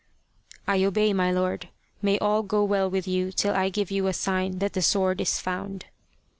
" I obey, my lord ! May all go well with you till I give you a sign that the sword is found."